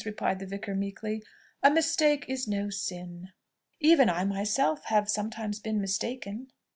replied the vicar meekly. "A mistake is no sin. Even I myself have sometimes been mistaken."